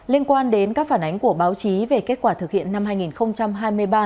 liên quan đến các phản ánh của báo chí về kết quả thực hiện năm hai nghìn hai mươi ba